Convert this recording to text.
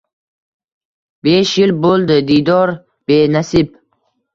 Besh yil buldi diydor be nasib